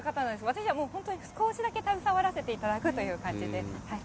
私は本当に少しだけ携わらせていただくということで。